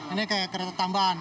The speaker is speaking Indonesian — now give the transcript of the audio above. ini kayak kereta tambahan